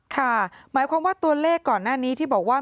ค่ะหมายความว่าตัวเลขก่อนหน้านี้ที่บอกว่า